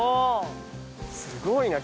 すごいな。